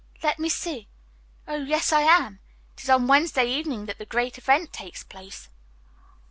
"Let me see. Oh, yes, I am. It is on Wednesday evening that the great event takes place."